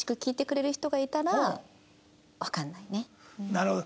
なるほど。